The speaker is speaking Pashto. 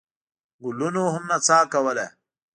ګلونو هم نڅا کوله.